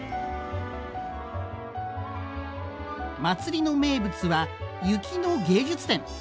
まつりの名物は雪の芸術展。